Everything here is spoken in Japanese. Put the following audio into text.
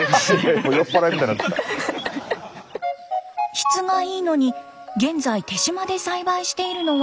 質がいいのに現在手島で栽培しているのは高橋さんだけ。